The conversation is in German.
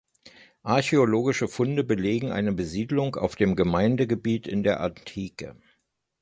Archäologische Funde belegen eine Besiedlung auf dem Gemeindegebiet in der Antike.